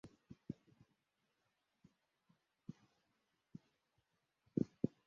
Jugler arimo gushimisha abahungu bato kumuhanda